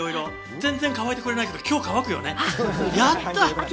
全然乾いてくれなかったけど、今日乾くね。